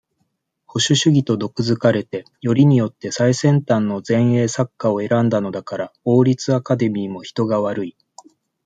保守主義と毒づかれて、よりによって、最先端の前衛作家を選んだのだから、王立アカデミーも人が悪い。